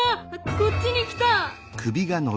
こっちに来た！